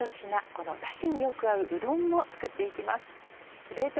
このだしによく合ううどんも作っていきます。